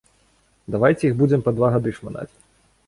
Давайце іх будзем па два гады шманаць.